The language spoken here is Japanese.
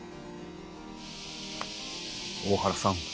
大原さん